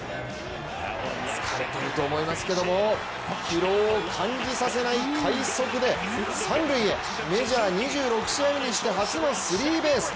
疲れていると思いますけれども、疲労を感じさせない快足で三塁へ、メジャー２６試合目にして初のスリーベース。